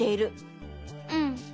うん。